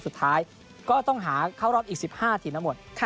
สุดท้ายก็ต้องหาเข้ารอบอีก๑๕ทีมทั้งหมด